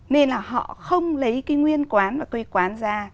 nên là họ không lấy cái nguyên quán và quê quán ra